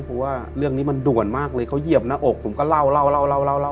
เพราะว่าเรื่องนี้มันด่วนมากเลยเขาเหยียบหน้าอกผมก็เล่าเล่า